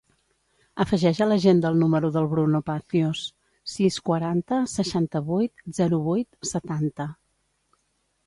Afegeix a l'agenda el número del Bruno Pacios: sis, quaranta, seixanta-vuit, zero, vuit, setanta.